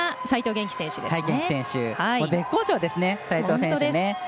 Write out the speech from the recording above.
絶好調ですね、齋藤選手。